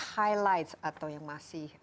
highlights atau yang masih